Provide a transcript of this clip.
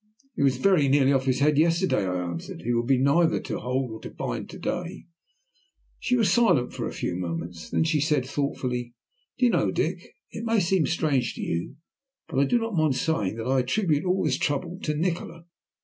"He was very nearly off his head yesterday," I answered. "He will be neither to hold nor to bind to day." She was silent for a few moments, then she said thoughtfully "Do you know, Dick, it may seem strange to you, but I do not mind saying that I attribute all this trouble to Nikola."